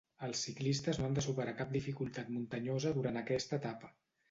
Els ciclistes no han de superar cap dificultat muntanyosa durant aquesta etapa.